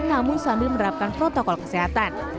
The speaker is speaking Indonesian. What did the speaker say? namun sambil menerapkan protokol kesehatan